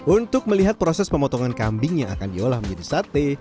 untuk melihat proses pemotongan kambing yang akan diolah menjadi sate